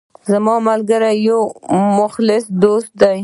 زما ملګری یو مخلص دوست ده